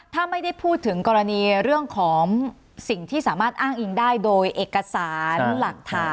ถ้าไม่ได้พูดถึงกรณีเรื่องของสิ่งที่สามารถอ้างอิงได้โดยเอกสารหลักฐาน